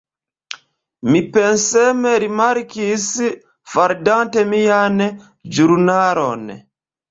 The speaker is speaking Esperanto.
Mi penseme rimarkis, faldante mian ĵurnalon.